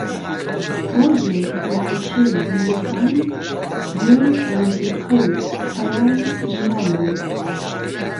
ڕۆژێک لە حەوشەی دیوەخان گوێم لە زیقە و هەرای ژنان بوو